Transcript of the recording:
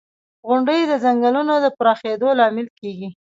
• غونډۍ د ځنګلونو د پراخېدو لامل کېږي.